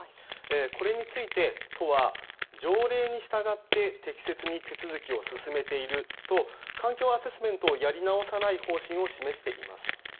これについて都は条例に従って適切に手続きを進めていると環境アセスメントをやり直さない方針を示しています。